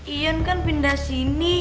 iyan kan pindah sini